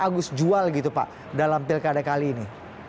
agus jual gitu pak dalam pilkada kali ini